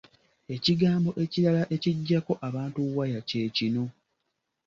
Ekigambo ekirala ekiggyako abantu waya kye kino.